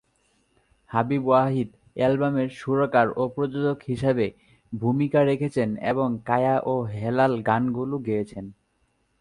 হাবিব ওয়াহিদ অ্যালবামের সুরকার ও প্রযোজক হিসাবে ভূমিকা রেখেছেন এবং কায়া ও হেলাল গানগুলো গেয়েছেন।